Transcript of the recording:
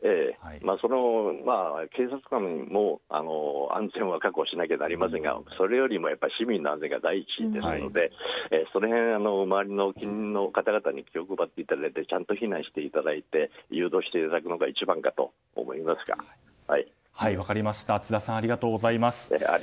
警察官も安全は確保しなきゃなりませんがそれよりも市民の安全が第一ですので周りの方々に気を配っていただいてちゃんと避難していただいて誘導していただくのが津田さんありがとうございます。